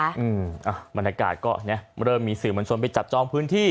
อ่ะบรรยากาศก็เนี้ยเริ่มมีสื่อมวลชนไปจับจองพื้นที่